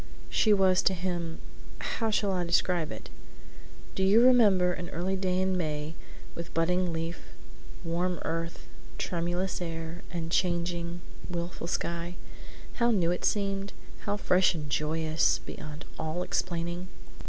She was to him how shall I describe it? Do you remember an early day in May with budding leaf, warm earth, tremulous air, and changing, willful sky how new it seemed? How fresh and joyous beyond all explaining?